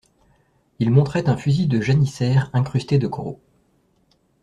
Il montrait un fusil de janissaire incrusté de coraux.